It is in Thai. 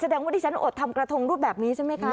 แสดงว่าดิฉันอดทำกระทงรูปแบบนี้ใช่ไหมคะ